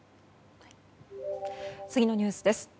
次のニュースです。